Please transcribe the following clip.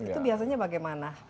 itu biasanya bagaimana